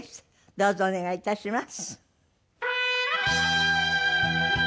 どうぞお願いいたします。